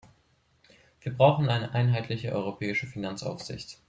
Wir brauchen eine einheitliche europäische Finanzaufsicht.